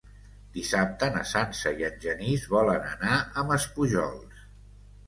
Dissabte na Sança i en Genís volen anar a Maspujols.